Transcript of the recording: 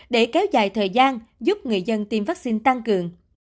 để kéo dài thời gian giúp người dân tiêm vaccine tăng cường